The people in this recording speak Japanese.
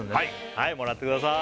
はいもらってください